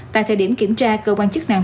tại thời điểm kiểm tra cơ quan chức năng